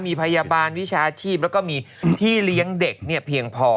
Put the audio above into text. มีพยาบาลวิชาชีพแล้วก็มีพี่เลี้ยงเด็กเนี่ยเพียงพอ